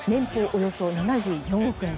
およそ７４億円。